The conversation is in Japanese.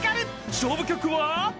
［勝負曲は］